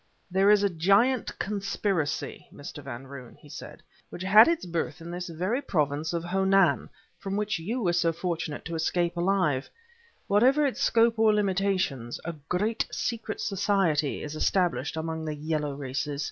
"There is a giant conspiracy, Mr. Van Roon," he said, "which had its birth in this very province of Ho Nan, from which you were so fortunate to escape alive; whatever its scope or limitations, a great secret society is established among the yellow races.